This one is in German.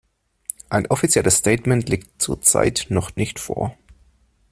Ein offizielles Statement liegt zurzeit noch nicht vor.